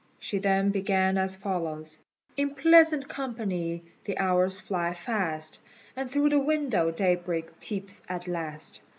She then began as follows: "In pleasant company the hours fly fast, And through the window daybreak peeps at last.